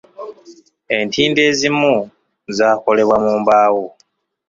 Entindo ezimu zaakolebwa mu mbaawo.